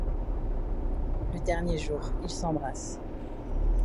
Le dernier jour, ils s'embrassent.